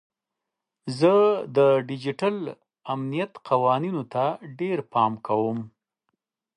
زه د ډیجیټل امنیت قوانینو ته ډیر پام کوم.